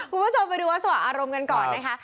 คุณผู้ชมไปดูวัดสว่างอารมณ์กันก่อนนะคะ